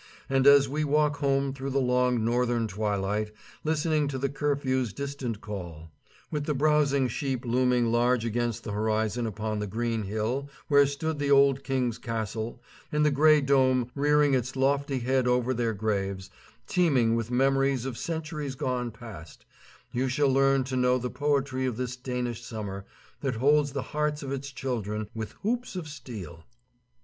And as we walk home through the long Northern twilight, listening to the curlew's distant call; with the browsing sheep looming large against the horizon upon the green hill where stood the old kings' castle, and the gray Dom rearing its lofty head over their graves, teeming with memories of centuries gone and past, you shall learn to know the poetry of this Danish summer that holds the hearts of its children with such hoops of steel.